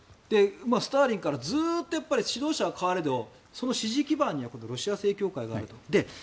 スターリンからずっと指導者は変われどその支持基盤にはロシア正教会があると。